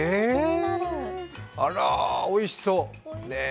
あら、おいしそう。